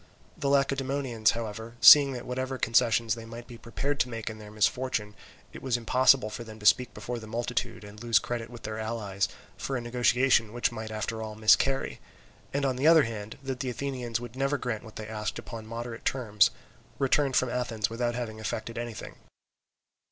The Lacedaemonians, however, seeing that whatever concessions they might be prepared to make in their misfortune, it was impossible for them to speak before the multitude and lose credit with their allies for a negotiation which might after all miscarry, and on the other hand, that the Athenians would never grant what they asked upon moderate terms, returned from Athens without having effected anything.